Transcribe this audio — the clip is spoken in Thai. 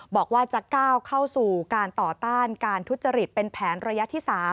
บอกว่าจะก้าวเข้าสู่การต่อต้านการทุจริตเป็นแผนระยะที่๓